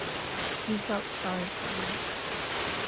You felt sorry for him.